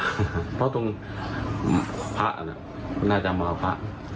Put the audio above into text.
เดี๋ยวไปถึงพระน่ะของน่ะจะมาพระ